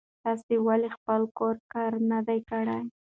تاسې ولې خپل کورنی کار نه دی کړی؟